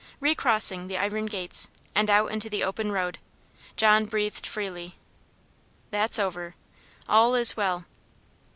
Re crossing the iron gates, and out into the open road, John breathed freely. "That's over all is well."